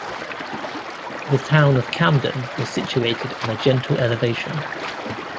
The town of Camden was situated on a gentle elevation.